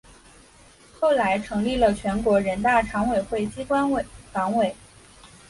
后来成立了全国人大常委会机关党委。